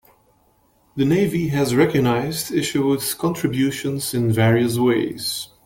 The Navy has recognized Isherwood's contributions in various ways.